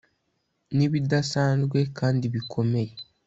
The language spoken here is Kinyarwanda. nibidasanzwe kandi bikomeye ..